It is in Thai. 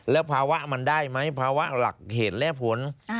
แล้วภาวะมันได้ไหมภาวะหลักเหตุและผล